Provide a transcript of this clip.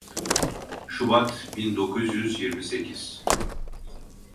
Şubat bin dokuz yüz yirmi sekiz.